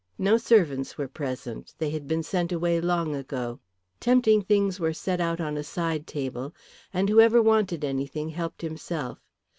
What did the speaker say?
No servants were present, they had been sent away long ago. Tempting things were set out on a side table, and whoever wanted anything helped himself.